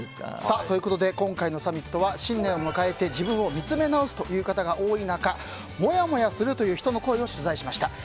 今回のサミットは新年を迎えて自分を見つめ直す方が多い中モヤモヤするという人の声を取材しました。